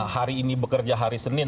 hari ini bekerja hari senin